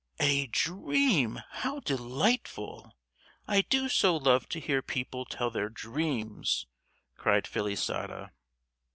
"A dream? how delightful! I do so love to hear people tell their dreams," cried Felisata.